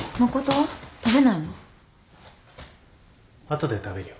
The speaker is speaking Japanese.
後で食べるよ。